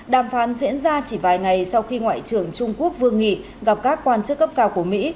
đàm phán diễn ra chỉ vài ngày sau khi ngoại trưởng trung quốc vương nghị gặp các quan chức cấp cao của mỹ